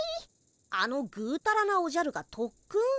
あのぐうたらなおじゃるがとっくん？